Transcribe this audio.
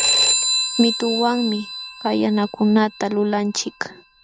Mituwanmi kallanakunata lulanchik